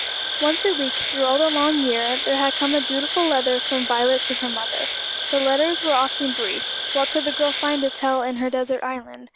Once a week, through all the long year, there had come a dutiful letter from Violet to her mother. The letters were often brief what could the girl find to tell in her desert island?